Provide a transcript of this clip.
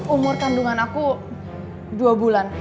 umur kandungan aku dua bulan